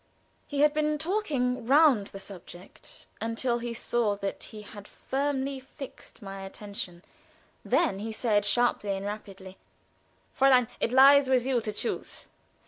He had been talking round the subject until he saw that he had fairly fixed my attention; then he said, sharply and rapidly: "Fräulein, it lies with you to choose.